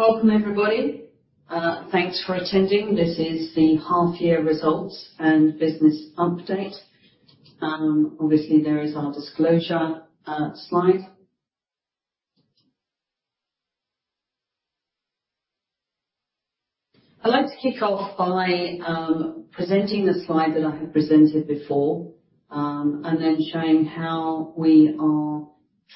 Welcome, everybody. Thanks for attending. This is the half year results and business update. Obviously, there is our disclosure slide. I'd like to kick off by presenting the slide that I have presented before, and then showing how we are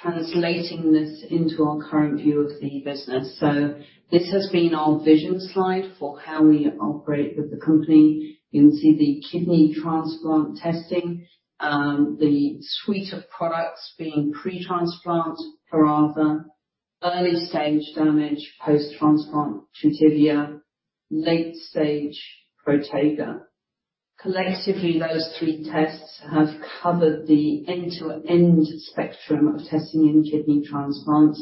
translating this into our current view of the business. So this has been our vision slide for how we operate with the company. You can see the kidney transplant testing, the suite of products being pre-transplant, Clarava, early stage damage, post-transplant, Tutivia, late stage, Protega. Collectively, those three tests have covered the end-to-end spectrum of testing in kidney transplant.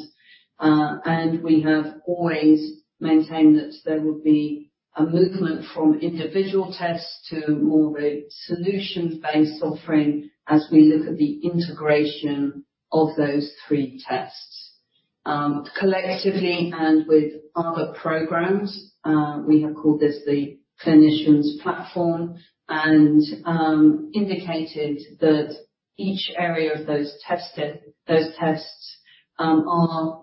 And we have always maintained that there would be a movement from individual tests to more of a solution-based offering as we look at the integration of those three tests. Collectively and with other programs, we have called this the Clinician's Platform and indicated that each area of those tests are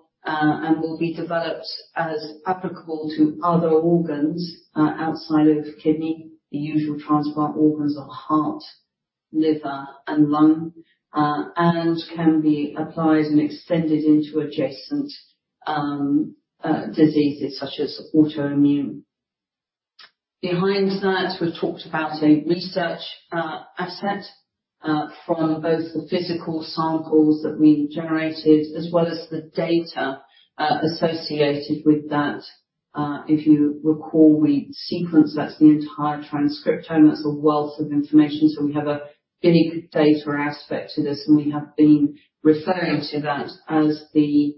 and will be developed as applicable to other organs outside of kidney. The usual transplant organs are heart, liver, and lung, and can be applied and extended into adjacent diseases such as autoimmune. Behind that, we've talked about a research asset from both the physical samples that we generated as well as the data associated with that. If you recall, we sequenced, that's the entire transcriptome. That's a wealth of information, so we have a big data aspect to this, and we have been referring to that as the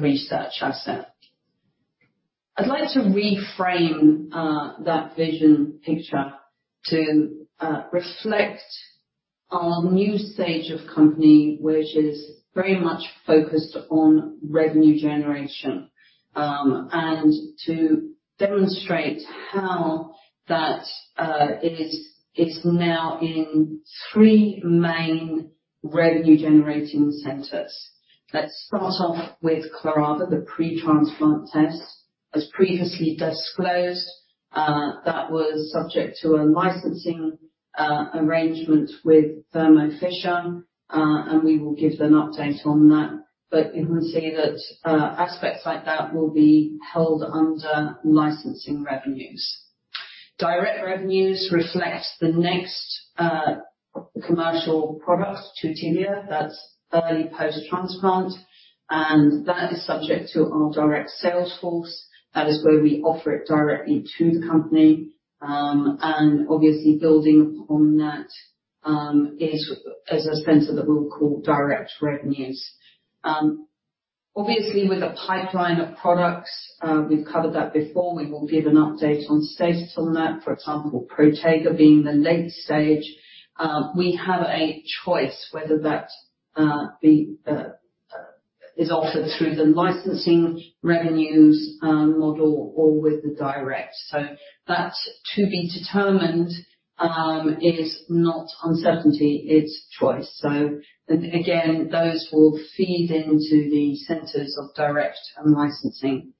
research asset. I'd like to reframe that vision picture to reflect our new stage of company, which is very much focused on revenue generation. To demonstrate how that is now in three main revenue generating centers. Let's start off with Clarava, the pre-transplant test. As previously disclosed, that was subject to a licensing arrangement with Thermo Fisher, and we will give an update on that. But you will see that aspects like that will be held under licensing revenues. Direct revenues reflect the next commercial product, Tutivia, that's early post-transplant, and that is subject to our direct sales force. That is where we offer it directly to the company. And obviously, building on that, is as a center that we'll call direct revenues. Obviously, with a pipeline of products, we've covered that before. We will give an update on status on that. For example, ProTega being the late stage. We have a choice whether that is offered through the licensing revenues model or with the direct. So that's to be determined, is not uncertainty, it's choice. So again, those will feed into the centers of direct and licensing.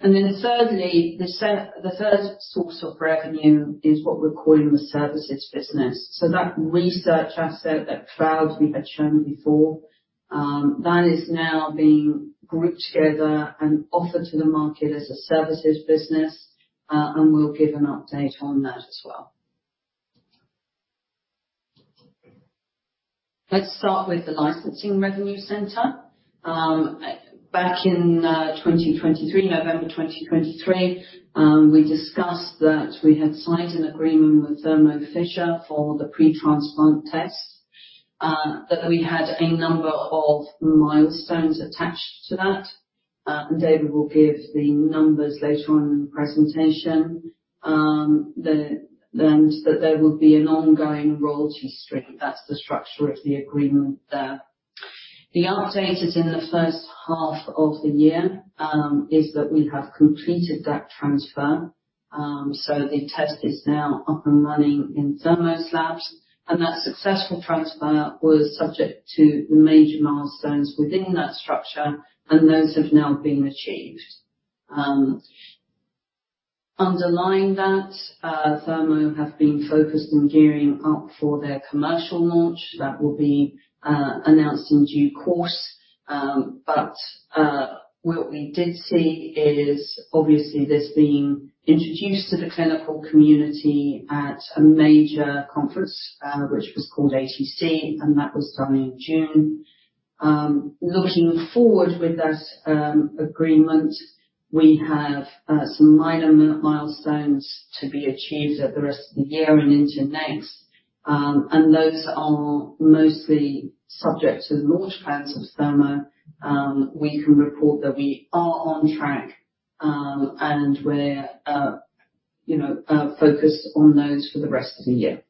And then thirdly, the third source of revenue is what we're calling the services business. So that research asset, that cloud we had shown before, that is now being grouped together and offered to the market as a services business, and we'll give an update on that as well. Let's start with the licensing revenue center. Back in 2023, November 2023, we discussed that we had signed an agreement with Thermo Fisher for the pre-transplant test. That we had a number of milestones attached to that. And David will give the numbers later on in the presentation. And that there would be an ongoing royalty stream. That's the structure of the agreement there. The update is in the first half of the year is that we have completed that transfer. So the test is now up and running in Thermo's labs, and that successful transfer was subject to major milestones within that structure, and those have now been achieved. Underlying that, Thermo have been focused on gearing up for their commercial launch. That will be announced in due course. But what we did see is, obviously, this being introduced to the clinical community at a major conference, which was called ATC, and that was done in June. Looking forward with this agreement, we have some minor milestones to be achieved at the rest of the year and into next. And those are mostly subject to the launch plans of Thermo. We can report that we are on track, and we're, you know, focused on those for the rest of the year.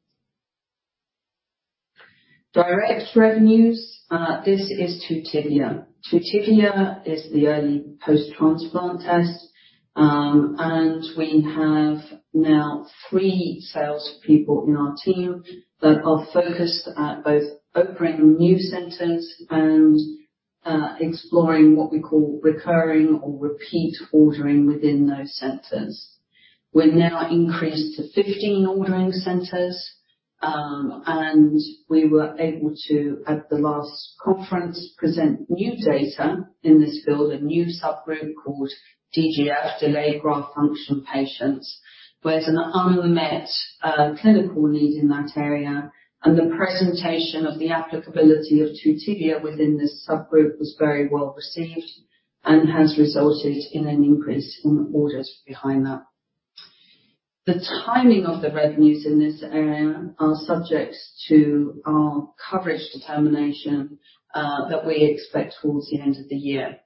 Direct revenues, this is Tutivia. Tutivia is the early post-transplant test, and we have now three salespeople in our team that are focused at both opening new centers and exploring what we call recurring or repeat ordering within those centers. We're now increased to 15 ordering centers, and we were able to, at the last conference, present new data in this field, a new subgroup called DGF, Delayed Graft Function patients. There's an unmet clinical need in that area, and the presentation of the applicability of Tutivia within this subgroup was very well received and has resulted in an increase in orders behind that. The timing of the revenues in this area are subject to our coverage determination that we expect towards the end of the year.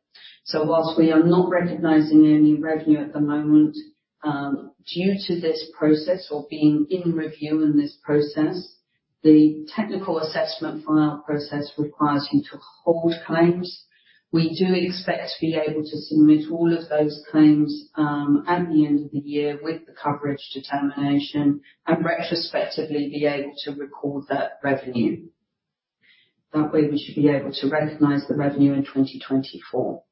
So whilst we are not recognizing any revenue at the moment, due to this process or being in review in this process, the technical assessment file process requires you to hold claims. We do expect to be able to submit all of those claims at the end of the year with the coverage determination and retrospectively be able to record that revenue. That way, we should be able to recognize the revenue in 2024.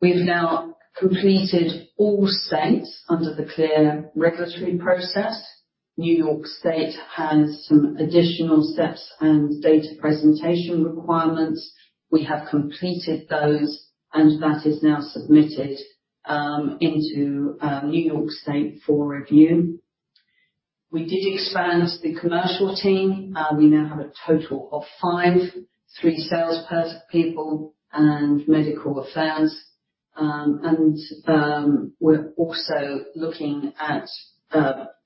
We've now completed all states under the CLIA regulatory process. New York State has some additional steps and data presentation requirements. We have completed those, and that is now submitted into New York State for review. We did expand the commercial team. We now have a total of five, three sales people and medical affairs. And we're also looking at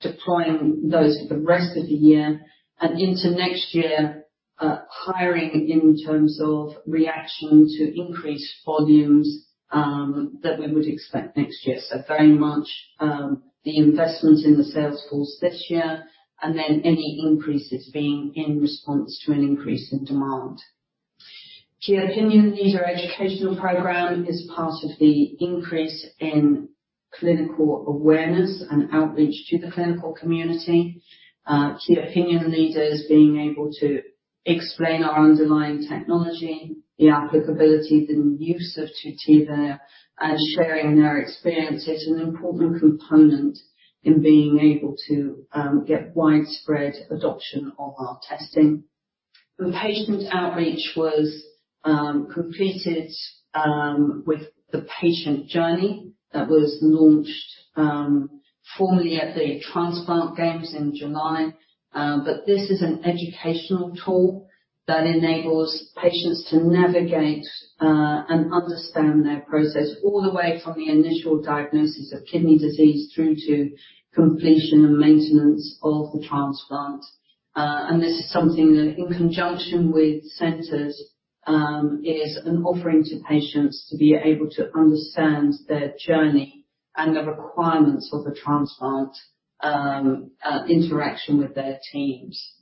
deploying those for the rest of the year and into next year, hiring in terms of reaction to increased volumes that we would expect next year. So very much, the investm ent in the sales force this year, and then any increases being in response to an increase in demand. Key Opinion Leader educational program is part of the increase in clinical awareness and outreach to the clinical community. Key opinion leaders being able to explain our underlying technology, the applicability, the use of Tutivia, and sharing their experience is an important component in being able to get widespread adoption of our testing. The patient outreach was completed with the Patient Journey that was launched formally at the Transplant Games in July. But this is an educational tool that enables patients to navigate and understand their process all the way from the initial diagnosis of kidney disease through to completion and maintenance of the transplant. And this is something that, in conjunction with centers, is an offering to patients to be able to understand their journey and the requirements of the transplant interaction with their teams.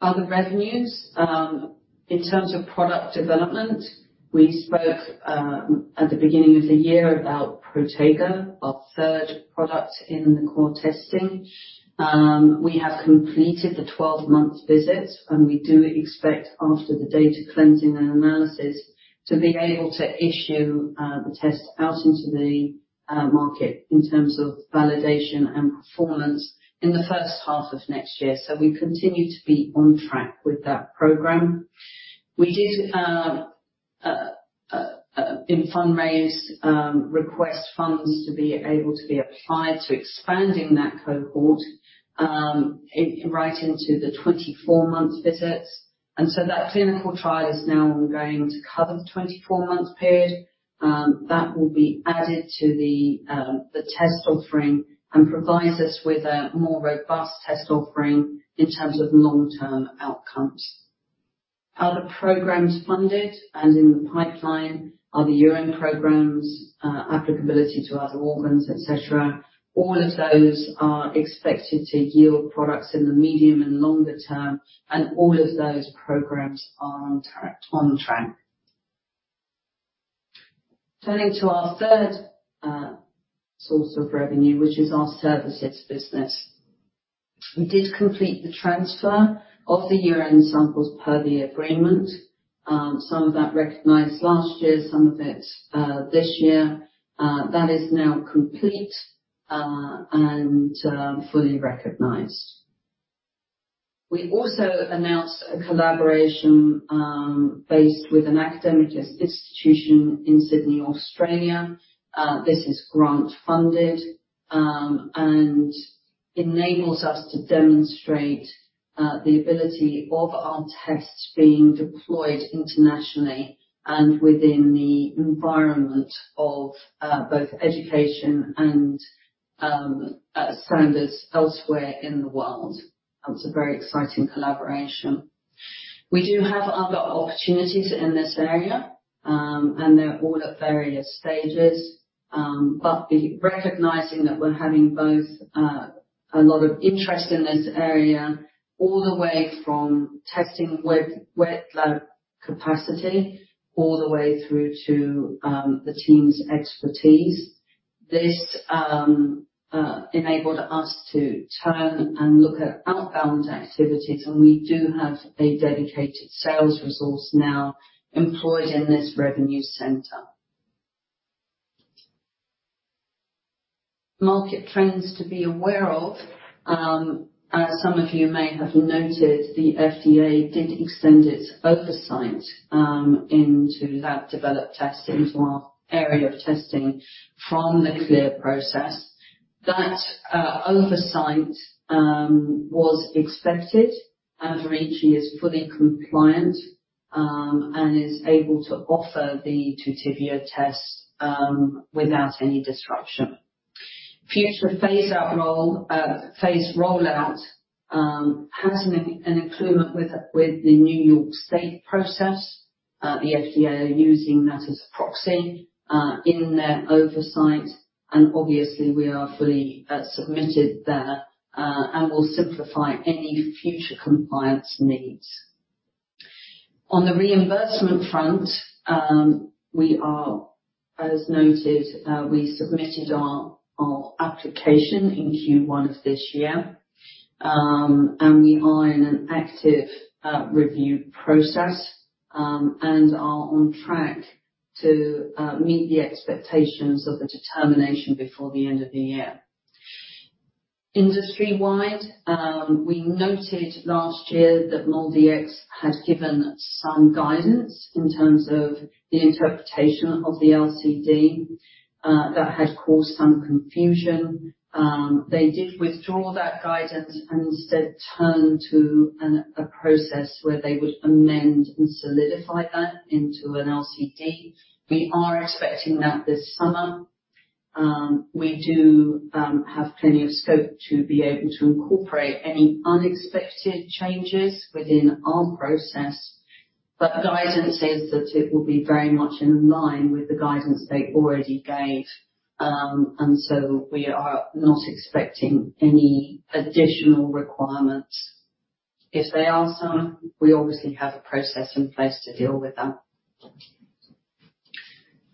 Other revenues. In terms of product development, we spoke at the beginning of the year about ProTega, our third product in the core testing. We have completed the 12-month visit, and we do expect, after the data cleansing and analysis, to be able to issue the test out into the market in terms of validation and performance in the first half of next year. So we continue to be on track with that program. We did fundraise, request funds to be able to be applied to expanding that cohort right into the 24-month visits. And so that clinical trial is now going to cover the 24 months period. That will be added to the test offering and provides us with a more robust test offering in terms of long-term outcomes. Other programs funded and in the pipeline are the urine programs, applicability to other organs, et cetera. All of those are expected to yield products in the medium and longer term, and all of those programs are on track, on track. Turning to our third source of revenue, which is our services business. We did complete the transfer of the urine samples per the agreement. Some of that recognized last year, some of it this year. That is now complete, and fully recognized. We also announced a collaboration based with an academic institution in Sydney, Australia. This is grant-funded, and enables us to demonstrate the ability of our tests being deployed internationally and within the environment of both education and standards elsewhere in the world. That's a very exciting collaboration. We do have other opportunities in this area.... and they're all at various stages. But recognizing that we're having both, a lot of interest in this area, all the way from testing with wet lab capacity, all the way through to, the team's expertise. This enabled us to turn and look at outbound activities, and we do have a dedicated sales resource now employed in this revenue center. Market trends to be aware of. As some of you may have noted, the FDA did extend its ove rsight, into lab developed testing, into our area of testing from the CLIA process. That oversight was expected, and Verici Dx is fully compliant, and is able to offer the Tutivia test, without any disruption. Future phase rollout has an involvement with the New York State process, the FDA using that as a proxy in their oversight, and obviously, we are fully submitted there, and will simplify any future compliance needs. On the reimbursement front, we are, as noted, we submitted our application in Q1 of this year. And we are in an active review process, and are on track to meet the expectations of the determination before the end of the year. Industry-wide, we noted last year that MolDX had given some guidance in terms of the interpretation of the LCD, that had caused some confusion. They did withdraw that guidance and instead turned to a process where they would amend and solidify that into an LCD. We are expecting that this summer. We do have plenty of scope to be able to incorporate any unexpected changes within our process, but guidance is that it will be very much in line with the guidance they already gave. And so we are not expecting any additional requirements. If there are some, we obviously have a process in place to deal with that.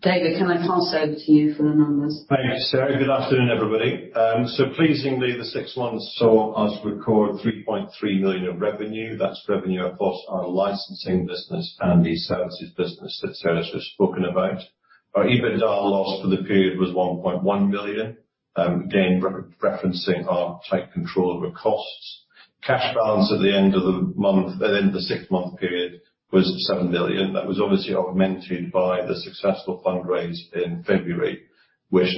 David, can I pass over to you for the numbers? Thank you, Sara. Good afternoon, everybody. Pleasingly, the six months saw us record $3.3 million of revenue. That's revenue across our licensing business and the services business that Sara has just spoken about. Our EBITDA loss for the period was $1.1 million. Again, referencing our tight control over costs. Cash balance at the end of the month, at end of the sixth month period, was $7 million. That was obviously augmented by the successful fundraise in February, which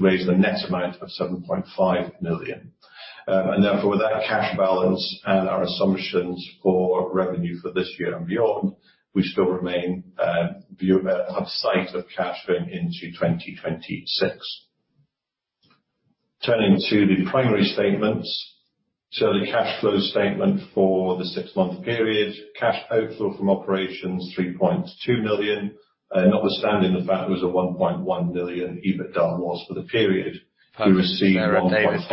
raised a net amount of $7.5 million. And therefore, with that cash balance and our assumptions for revenue for this year and beyond, we still remain in sight of cash going into 2026. Turning to the primary statements. The cash flow statement for the six-month period. Cash outflow from operations, $3.2 million. Notwithstanding the fact it was a $1.1 million EBITDA loss for the period, we received $1.5-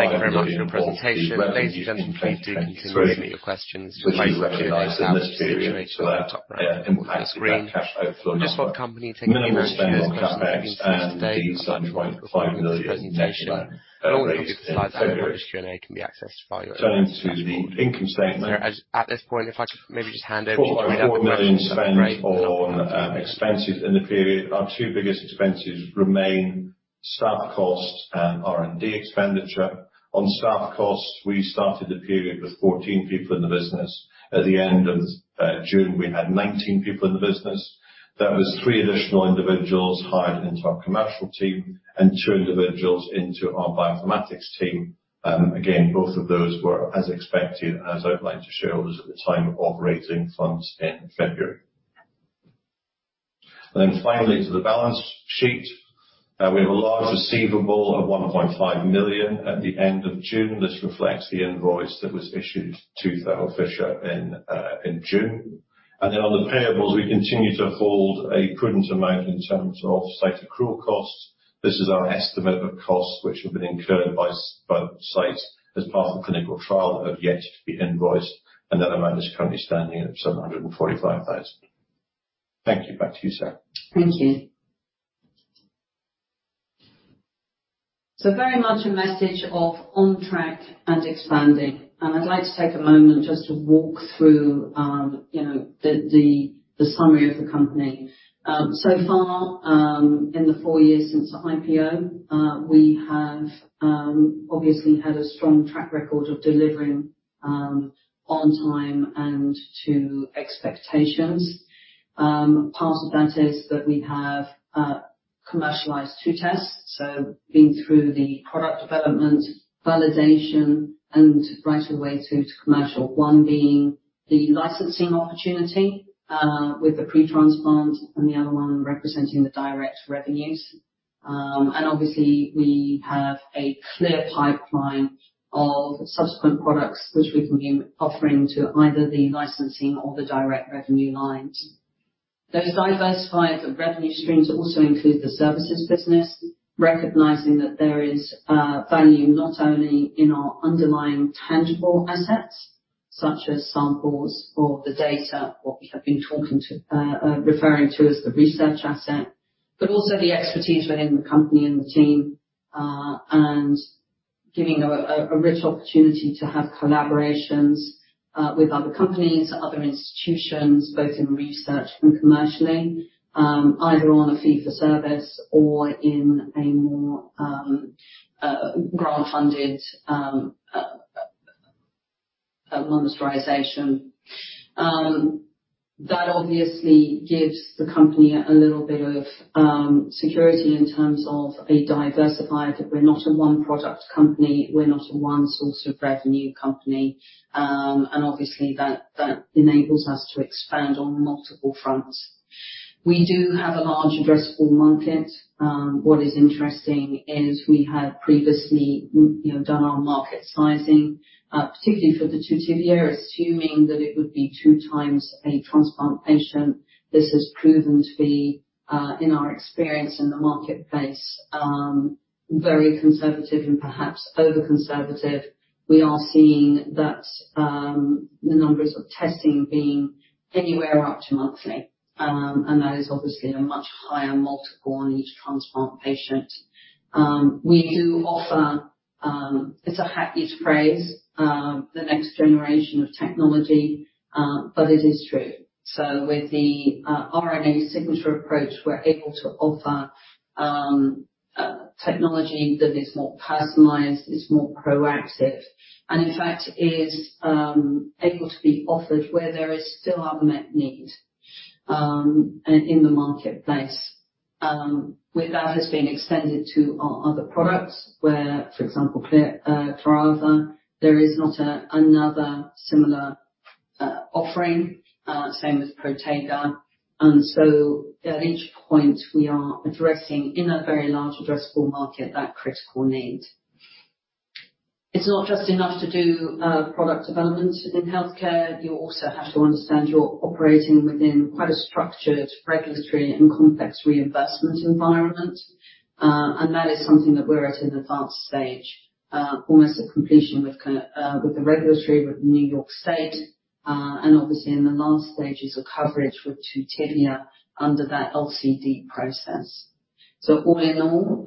Q&A can be accessed via your- Turning to the income statement. At this point, if I could maybe just hand over- Our two biggest expenses remain staff costs and R&D expenditure. On staff costs, we started the period with 14 people in the business. At the end of June, we had 19 people in the business. That was three additional individuals hired into our commercial team and two individuals into our bioinformatics team. Again, both of those were as expected, as outlined to shareholders at the time of raising funds in February. Then finally, to the balance sheet. We have a large receivable of $1.5 million at the end of June. This reflects the invoice that was issued to Thermo Fisher in June. And then on the payables, we continue to hold a prudent amount in terms of site accrual costs. This is our estimate of costs which have been incurred by the site as part of a clinical trial, have yet to be invoiced, and that amount is currently standing at $745,000. Thank you. Back to you, Sara. Thank you. So very much a message of on track and expanding, and I'd like to take a moment just to walk through, you know, the summary of the company. So far, in the four years since the IPO, we have obviously had a strong track record of delivering on time and to expectations. Part of that is that we have commercialized two tests, so been through the product development, validation, and right the way through to commercial. One being the licensing opportunity with the pre-transplant, and the other one representing the direct revenues. And obviously, we have a clear pipeline of subsequent products, which we can be offering to either the licensing or the direct revenue lines. Those diversified revenue streams also include the services business, recognizing that there is value not only in our underlying tangible assets, such as samples or the data, what we have been referring to as the research asset, but also the expertise within the company and the team, and giving a rich opportunity to have collaborations with other companies, other institutions, both in research and commercially, either on a fee for service or in a more grant-funded monetization. That obviously gives the company a little bit of security in terms of a diversified. We're not a one-product company, we're not a one source of revenue company, and obviously, that enables us to expand on multiple fronts. We do have a large addressable market. What is interesting is we had previously, you know, done our market sizing, particularly for the Tutivia, assuming that it would be 2 times a transplant patient. This has proven to be, in our experience in the marketplace, very conservative and perhaps over-conservative. We are seeing that, the numbers of testing being anywhere up to monthly, and that is obviously a much higher multiple on each transplant patient. We do offer, it's a happy phrase, the next generation of technology, but it is true. So with the, RNA signature approach, we're able to offer, technology that is more personalized, it's more proactive, and in fact, is, able to be offered where there is still unmet need, in the marketplace. With that, has been extended to our other products, where, for example, Clarava, there is not another similar offering, same as ProTega. And so at each point, we are addressing, in a very large addressable market, that critical need. It's not just enough to do product development within healthcare. You also have to understand you're operating within quite a structured, regulatory, and complex reimbursement environment. And that is something that we're at an advanced stage, almost at completion with the regulatory with New York State, and obviously in the last stages of coverage with Tutivia under that LCD process. So all in all,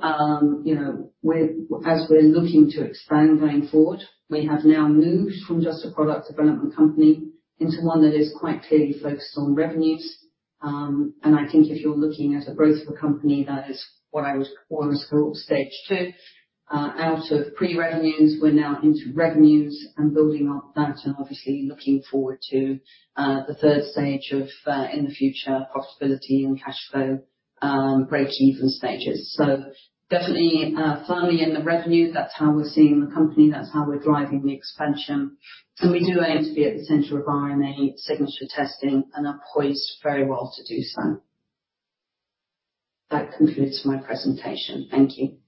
you know, we're as we're looking to expand going forward, we have now moved from just a product development company into one that is quite clearly focused on revenues. I think if you're looking at the growth of a company, that is what I would call stage two. Out of pre-revenues, we're now into revenues and building up that and obviously looking forward to the third stage of in the future profitability and cash flow breakeven stages. Definitely, firmly in the revenue. That's how we're seeing the company, that's how we're driving the expansion. We do aim to be at the center of RNA signature testing and are poised very well to do so. That concludes my presentation. Thank you.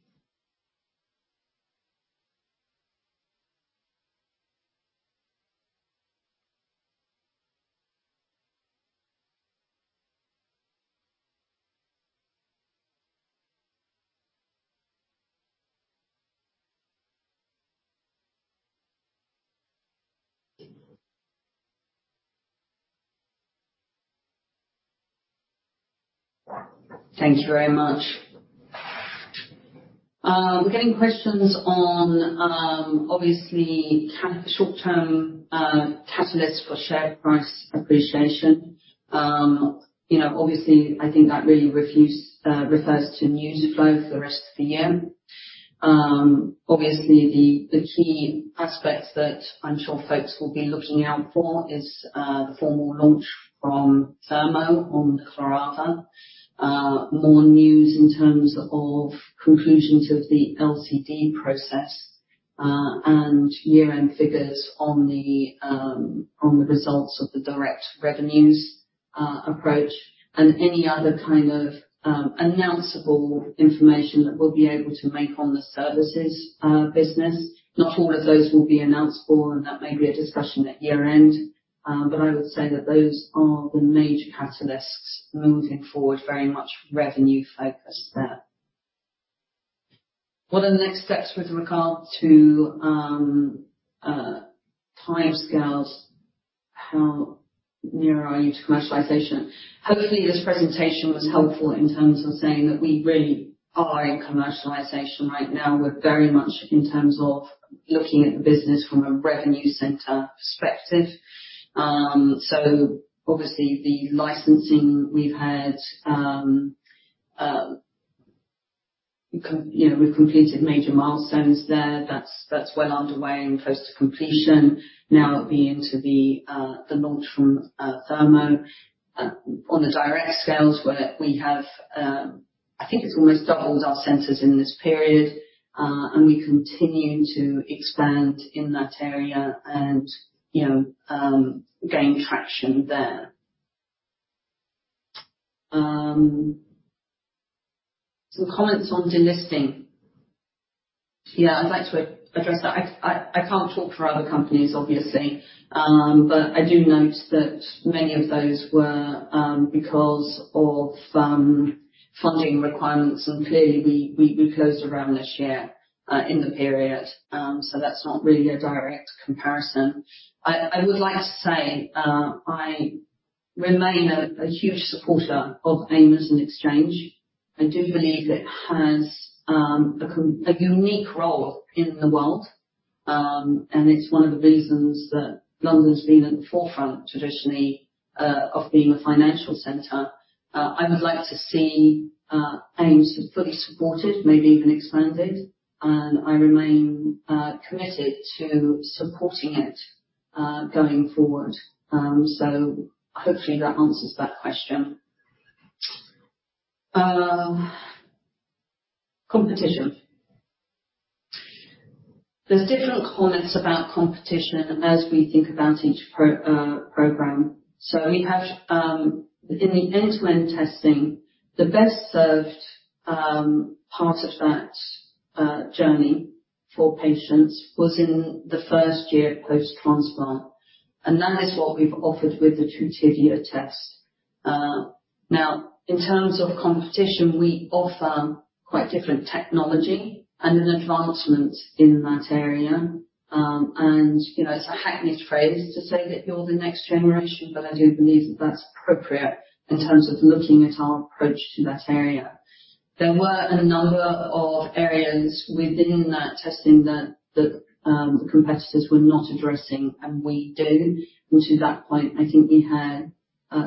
Thank you very much. We're getting questions on obviously kind of short-term catalyst for share price appreciation. You know, obviously, I think that really refers to news flow for the rest of the year. Obviously, the key aspects that I'm sure folks will be looking out for is the formal launch from Thermo on the Clarava. More news in terms of conclusions of the LCD process, and year-end figures on the results of the direct revenues approach, and any other kind of announceable information that we'll be able to make on the services business. Not all of those will be announceable, and that may be a discussion at year-end, but I would say that those are the major catalysts moving forward, very much revenue-focused there. What are the next steps with regard to timescales? How near are you to commercialization? Hopefully, this presentation was helpful in terms of saying that we really are in commercialization right now. We're very much in terms of looking at the business from a revenue center perspective. So obviously, the licensing we've had, you know, we've completed major milestones there. That's well underway and close to completion. Now, we're into the launch from Thermo. On the direct sales, where we have, I think it's almost doubled our centers in this period, and we continue to expand in that area and, you know, gain traction there.... Some comments on delisting. Yeah, I'd like to address that. I can't talk for other companies, obviously. But I do note that many of those were because of funding requirements, and clearly, we closed around this year in the period. So that's not really a direct comparison. I would like to say, I remain a huge supporter of AIM as an exchange. I do believe it has a unique role in the world. And it's one of the reasons that London's been at the forefront, traditionally, of being a financial center. I would like to see AIM is fully supported, maybe even expanded, and I remain committed to supporting it going forward. So hopefully that answers that question. Competition. There's different comments about competition as we think about each program. So we have, in the end-to-end testing, the best served part of that journey for patients was in the first year post-transplant, and that is what we've offered with the two-year test. Now, in terms of competition, we offer quite different technology and an advancement in that area. And you know, it's a hackneyed phrase to say that you're the next generation, but I do believe that that's appropriate in terms of looking at our approach to that area. There were a number of areas within that testing that competitors were not addressing, and we do. And to that point, I think we had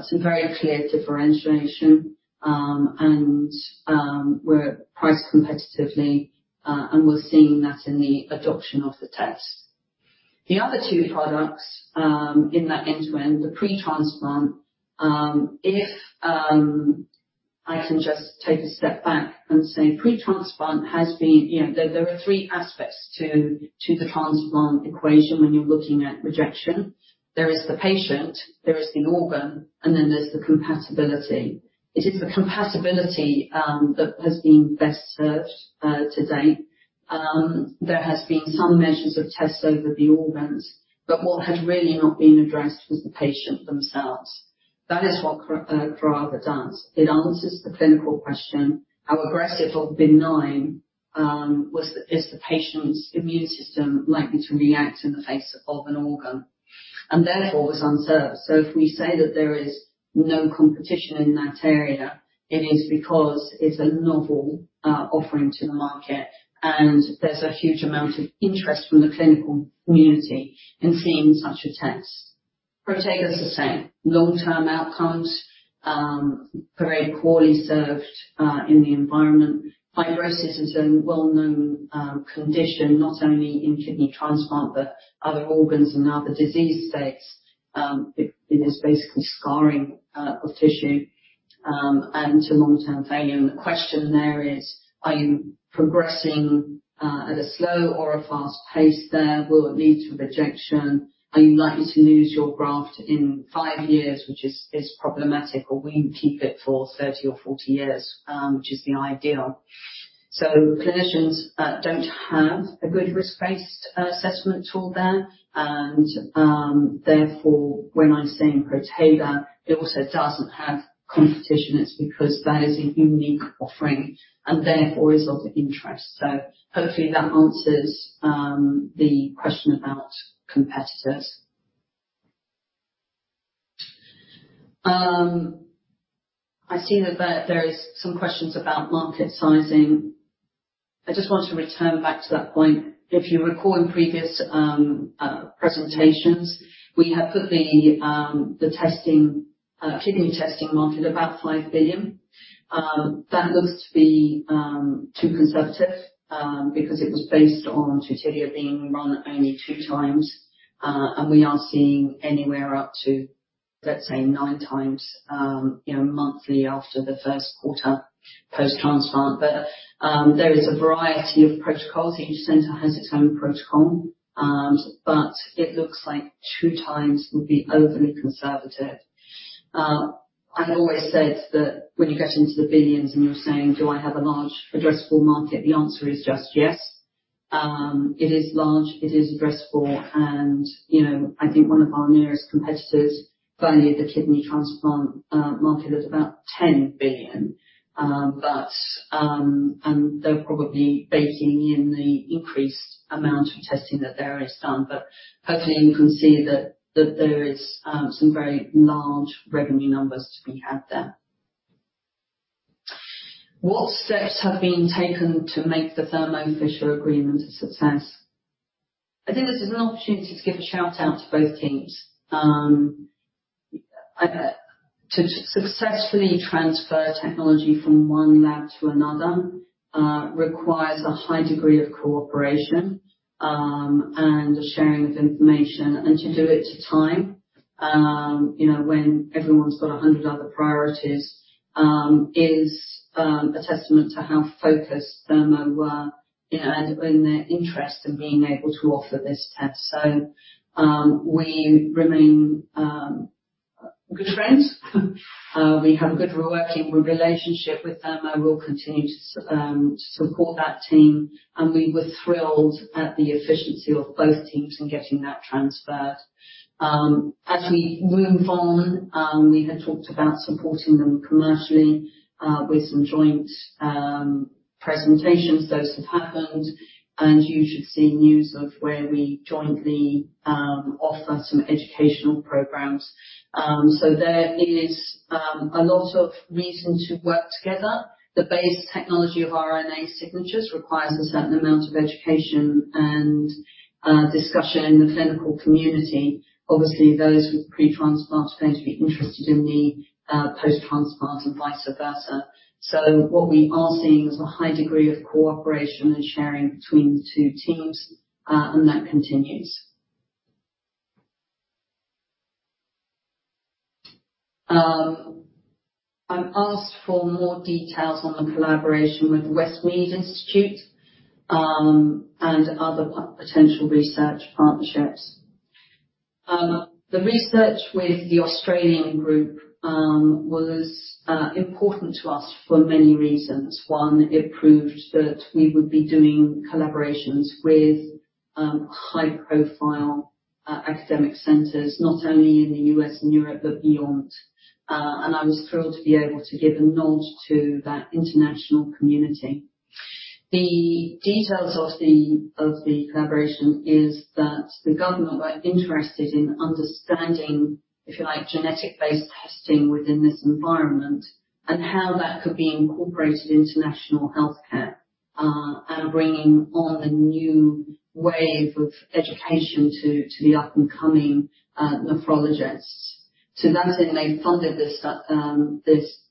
some very clear differentiation. And we're priced competitively, and we're seeing that in the adoption of the test. The other two products in that end-to-end, the pre-transplant. If I can just take a step back and say pre-transplant has been... You know, there are three aspects to the transplant equation when you're looking at rejection. There is the patient, there is the organ, and then there's the compatibility. It is the compatibility that has been best served to date. There has been some measures of tests over the organs, but what had really not been addressed was the patient themselves. That is what Clarava does. It answers the clinical question, how aggressive or benign is the patient's immune system likely to react in the face of an organ, and therefore, was underserved. So if we say that there is no competition in that area, it is because it's a novel offering to the market, and there's a huge amount of interest from the clinical community in seeing such a test. ProTega is the same. Long-term outcomes very poorly served in the environment. Fibrosis is a well-known condition, not only in kidney transplant, but other organs and other disease states. It is basically scarring of tissue and to long-term failure. And the question there is: Are you progressing at a slow or a fast pace there? Will it lead to rejection? Are you likely to lose your graft in 5 years, which is problematic, or will you keep it for 30 or 40 years, which is the ideal? So clinicians don't have a good risk-based assessment tool there, and therefore, when I'm saying ProTega, it also doesn't have competition. It's because that is a unique offering and therefore is of interest. So hopefully that answers the question about competitors. I see that there is some questions about market sizing. I just want to return back to that point. If you recall, in previous presentations, we had put the testing kidney testing market about $5 billion. That looks to be too conservative because it was based on Tutivia being run only two times. We are seeing anywhere up to, let's say, nine times, you know, monthly after the first quarter post-transplant. There is a variety of protocols. Each center has its own protocol, but it looks like two times would be overly conservative. I've always said that when you get into the billions and you're saying, "Do I have a large addressable market?" The answer is just yes. It is large, it is addressable, and, you know, I think one of our nearest competitors valued the kidney transplant market at about $10 billion. But and they're probably baking in the increased amount of testing that there is done. But hopefully, you can see that, that there is, some very large revenue numbers to be had there. What steps have been taken to make the Thermo Fisher agreement a success? I think this is an opportunity to give a shout-out to both teams. To successfully transfer technology from one lab to another requires a high degree of cooperation, and a sharing of information, and to do it to time, you know, when everyone's got 100 other priorities... is a testament to how focused Thermo were, you know, and in their interest in being able to offer this test. So, we remain good friends. We have a good working relationship with Thermo. We'll continue to support that team, and we were thrilled at the efficiency of both teams in getting that transferred. As we move on, we had talked about supporting them commercially, with some joint presentations. Those have happened, and you should see news of where we jointly offer some educational programs. So there is a lot of reason to work together. The base technology of RNA signatures requires a certain amount of education and discussion in the clinical community. Obviously, those with pre-transplant are going to be interested in the post-transplant, and vice versa. So what we are seeing is a high degree of cooperation and sharing between the two teams, and that continues. I'm asked for more details on the collaboration with the Westmead Institute, and other potential research partnerships. The research with the Australian group was important to us for many reasons. One, it proved that we would be doing collaborations with high-profile academic centers, not only in the U.S. and Europe, but beyond. And I was thrilled to be able to give a nod to that international community. The details of the collaboration is that the government were interested in understanding, if you like, genetic-based testing within this environment and how that could be incorporated into national healthcare, and bringing on a new wave of education to the up-and-coming nephrologists. So that's it. They funded this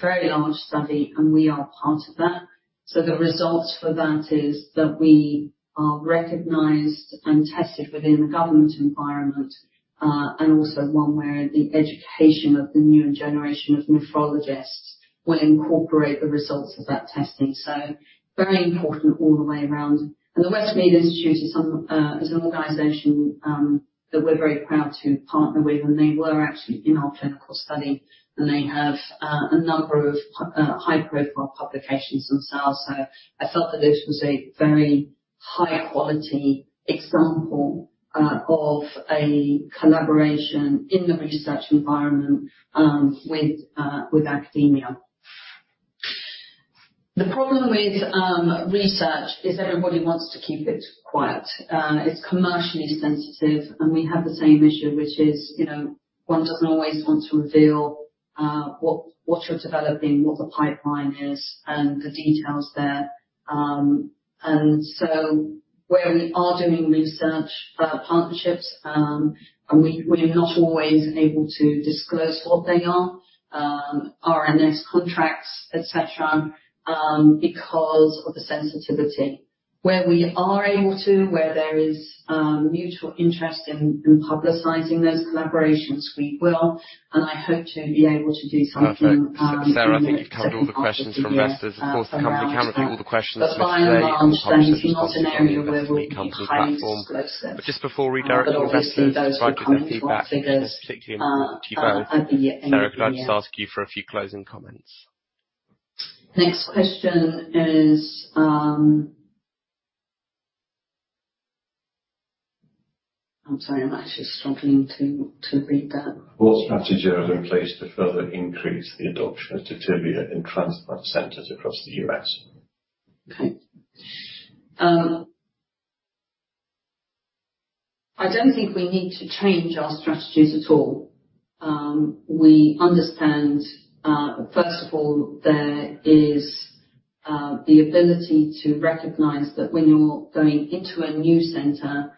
very large study, and we are part of that. So the result for that is that we are recognized and tested within the government environment, and also one where the education of the new generation of nephrologists will incorporate the results of that testing. So very important all the way around. And the Westmead Institute is an organization that we're very proud to partner with, and they were actually in our clinical study, and they have a number of high-profile publications themselves. So I felt that this was a very high-quality example of a collaboration in the research environment with academia. The problem with research is everybody wants to keep it quiet. It's commercially sensitive, and we have the same issue, which is, you know, one doesn't always want to reveal what you're developing, what the pipeline is, and the details there. And so where we are doing research partnerships, and we're not always able to disclose what they are, R&S contracts, et cetera, because of the sensitivity. Where we are able to, where there is mutual interest in publicizing those collaborations, we will, and I hope to be able to do so within- Next question is, I'm sorry, I'm actually struggling to read that. What strategy are you in place to further increase the adoption of Tutivia in transplant centers across the U.S.? Okay. I don't think we need to change our strategies at all. We understand, first of all, there is the ability to recognize that when you're going into a new center,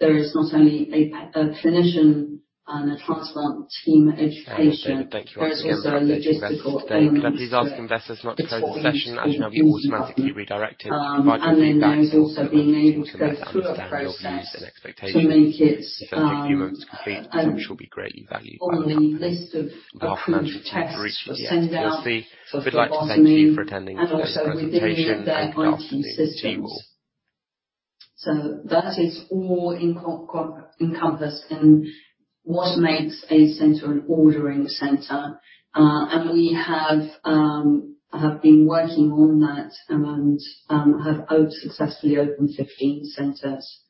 there is not only a clinician and a transplant team education- Thank you. Thank you very much. There's also a logistical element to it. Can I please ask investors not to turn the session, as you know, we automatically redirect it, provide the feedback, and we'll be able to better understand your views and expectations. If you want to complete, which will be greatly valued by the company. Our financial team is reached yet. Jesse, we'd like to thank you for attending today's presentation and answering the team. So that is all encompassed in what makes a center an ordering center. And we have have been working on that and have successfully opened 15 centers.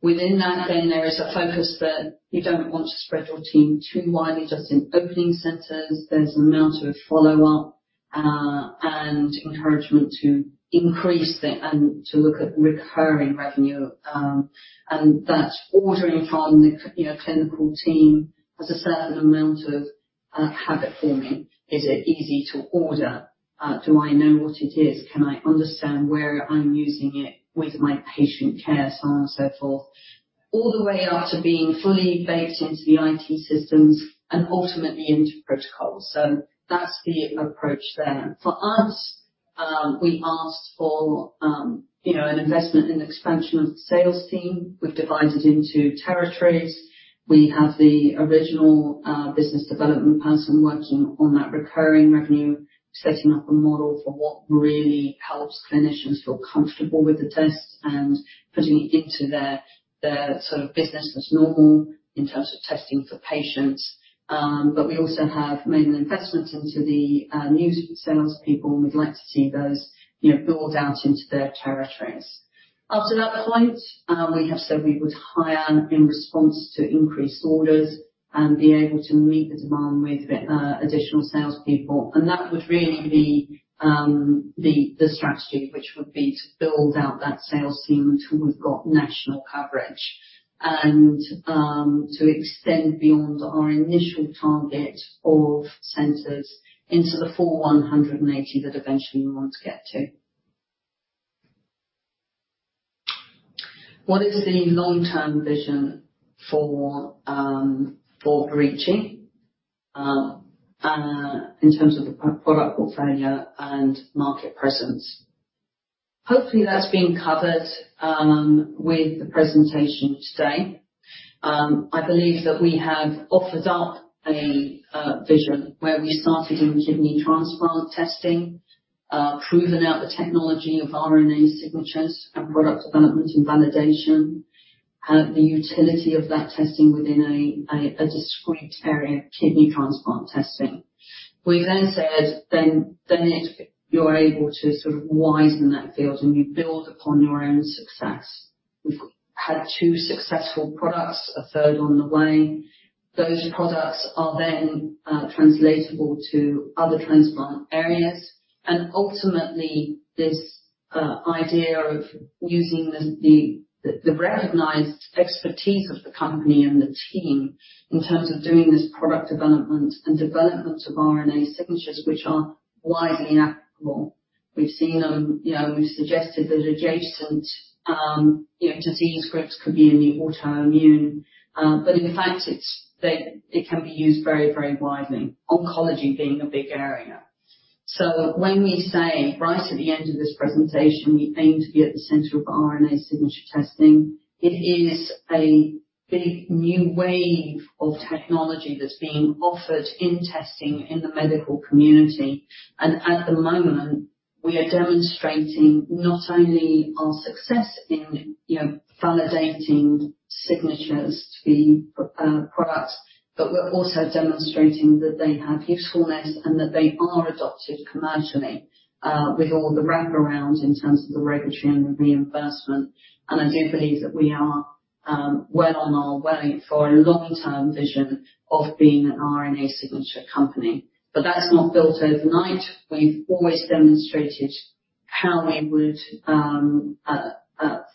Within that, then there is a focus that you don't want to spread your team too widely, just in opening centers. There's an amount of follow-up and encouragement to increase the and to look at recurring revenue, and that ordering from the, you know, clinical team, has a certain amount of habit forming. Is it easy to order? Do I know what it is? Can I understand where I'm using it with my patient care? So on and so forth. All the way up to being fully baked into the IT systems and ultimately into protocols. So that's the approach there. For us-... We asked for, you know, an investment in expansion of the sales team. We've divided into territories. We have the original, business development person working on that recurring revenue, setting up a model for what really helps clinicians feel comfortable with the test and putting it into their, their sort of business as normal in terms of testing for patients. But we also have made an investment into the, new salespeople, and we'd like to see those, you know, build out into their territories. After that point, we have said we would hire in response to increased orders and be able to meet the demand with additional salespeople, and that would really be the strategy, which would be to build out that sales team until we've got national coverage and to extend beyond our initial target of centers into the full 180 that eventually we want to get to. What is the long-term vision for Verici in terms of the product portfolio and market presence? Hopefully, that's been covered with the presentation today. I believe that we have offered up a vision where we started in kidney transplant testing, proven out the technology of RNA signatures and product development and validation, the utility of that testing within a discrete area of kidney transplant testing. We then said, then you're able to sort of widen that field, and you build upon your own success. We've had two successful products, a third on the way. Those products are then translatable to other transplant areas, and ultimately, this idea of using the recognized expertise of the company and the team in terms of doing this product development and development of RNA signatures, which are widely applicable. We've seen them, you know, we've suggested that adjacent, you know, disease groups could be in the autoimmune, but in fact, it can be used very, very widely, oncology being a big area. So when we say, right at the end of this presentation, we aim to be at the center of RNA Signature testing, it is a big new wave of technology that's being offered in testing in the medical community. And at the moment, we are demonstrating not only our success in, you know, validating signatures to the products, but we're also demonstrating that they have usefulness and that they are adopted commercially with all the wraparound in terms of the regulatory and reimbursement. And I do believe that we are well on our way for a long-term vision of being an RNA Signature company. But that's not built overnight. We've always demonstrated how we would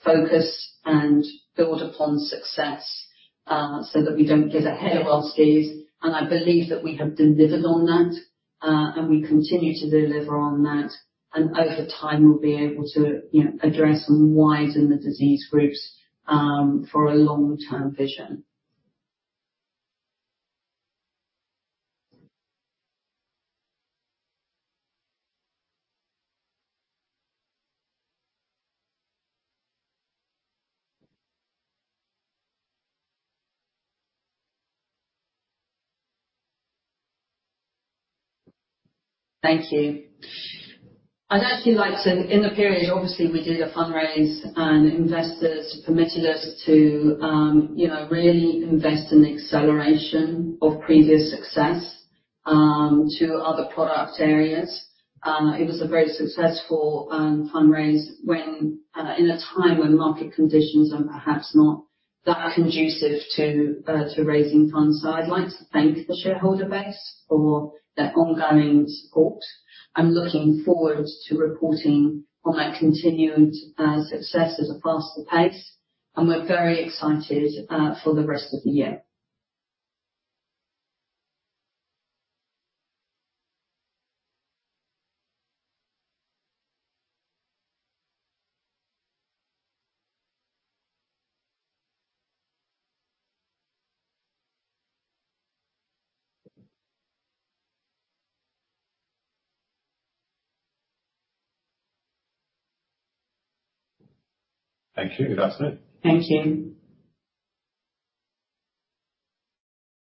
focus and build upon success, so that we don't get ahead of our skis. I believe that we have delivered on that, and we continue to deliver on that, and over time, we'll be able to, you know, address and widen the disease groups, for a long-term vision. Thank you. I'd actually like to. In the period, obviously, we did a fundraise, and investors permitted us to, you know, really invest in the acceleration of previous success, to other product areas. It was a very successful fundraise when in a time when market conditions are perhaps not that conducive to raising funds. So I'd like to thank the shareholder base for their ongoing support. I'm looking forward to reporting on that continued success as a faster pace, and we're very excited for the rest of the year. Thank you, good afternoon. Thank you.